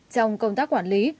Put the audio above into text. trong công tác quản lý